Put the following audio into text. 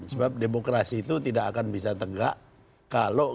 sebab demokrasi itu tidak akan bisa tegak